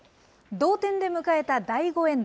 同点で迎えた第５エンド。